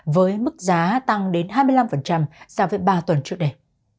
với mức giá tăng đến hai mươi năm so với ba tuần trước đây